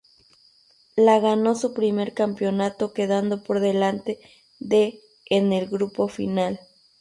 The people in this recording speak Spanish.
La ganó su primer campeonato quedando por delante de en el grupo final.